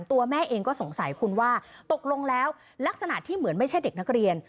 ตัวแม่เองก็สงสัยคุณว่าตกลงแล้วลักษณะที่เหมือนไม่ใช่เด็กนักเรียน